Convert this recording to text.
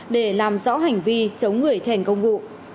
để làm rõ hành vi chống người thành công vụ